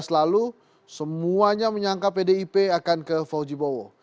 dua ribu dua belas lalu semuanya menyangka pdip akan ke foujibowo